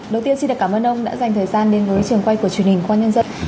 đầu tiên xin cảm ơn ông đã dành thời gian đến với trường quay của truyền hình công an nhân dân